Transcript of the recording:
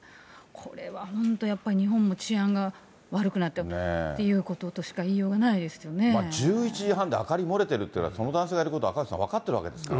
これはもう本当に日本も治安が悪くなったっていうこととしか言い１１時半で明かり漏れてるけど、その男性がいることは赤星さん、分かっているわけですから。